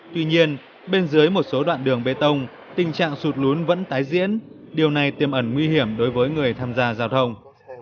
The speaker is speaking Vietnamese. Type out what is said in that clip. tuy nhiên bên dưới một số đoạn đường bê tông tình trạng sụt lún vẫn tái diễn điều này tiêm ẩn nguy hiểm đối với người tham gia giao thông